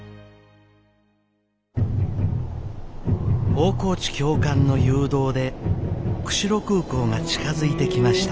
大河内教官の誘導で釧路空港が近づいてきました。